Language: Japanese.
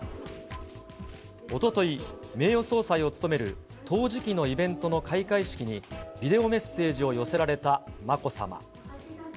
おととい、名誉総裁を務める陶磁器のイベントの開会式にビデオメッセージを寄せられたまこさま。